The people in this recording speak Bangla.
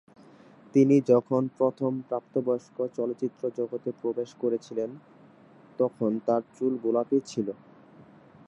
তিনি যখন প্রথম প্রাপ্তবয়স্ক চলচ্চিত্র জগতে প্রবেশ করেছিলেন, তখন তাঁর চুল গোলাপী ছিল।